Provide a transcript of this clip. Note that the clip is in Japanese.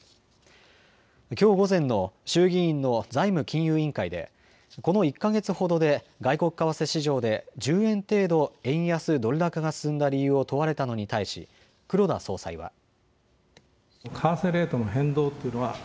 きょう午前の衆議院の財務金融委員会でこの１か月ほどで外国為替市場で１０円程度、円安ドル高が進んだ理由を問われたのに対し黒田総裁は。